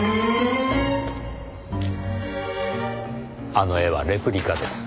あの絵はレプリカです。